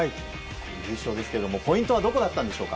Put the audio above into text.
優勝ですけどもポイントはどこでしょうか。